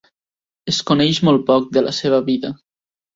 Es coneix molt poc de la seva vida.